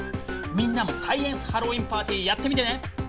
みんなもサイエンス・ハロウィーンパーティーやってみてね！